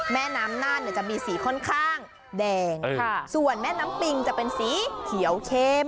แม่น้ำน่านเนี่ยจะมีสีค่อนข้างแดงส่วนแม่น้ำปิงจะเป็นสีเขียวเข้ม